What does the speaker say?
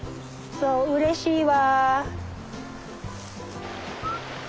そううれしいわ。